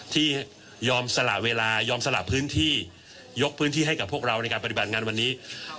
ที่ยอมสละเวลายอมสละพื้นที่ยกพื้นที่ให้กับพวกเราในการปฏิบัติงานวันนี้